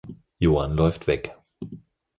Joan läuft weg.